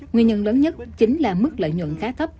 nguyên nhân lớn nhất chính là mức lợi nhuận khá thấp